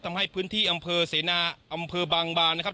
ทำให้พื้นที่อำเภอเสนาอำเภอบางบานนะครับ